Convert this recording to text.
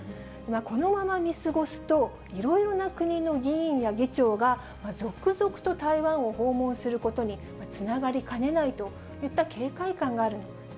このまま見過ごすといろいろな国の議員や議長が続々と台湾を訪問することにつながりかねないといった警戒感があるんです。